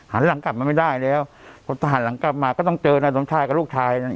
หันหลังกลับมาไม่ได้แล้วพอหันหลังกลับมาก็ต้องเจอนายสมชายกับลูกชายเนี่ย